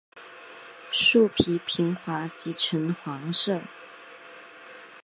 树皮平滑及呈黄色。